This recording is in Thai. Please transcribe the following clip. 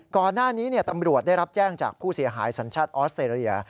ก่อนหน้านี้ตำรวจได้รับแจ้งจากผู้เสียหายสัญชาติออสเตรเลีย